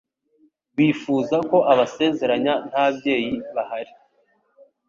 bifuza ko abasezeranya ntabyeyi bahari ,